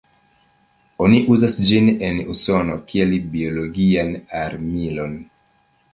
Oni uzas ĝin en Usono kiel biologian armilon.